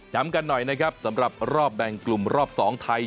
กันหน่อยนะครับสำหรับรอบแบ่งกลุ่มรอบ๒ไทย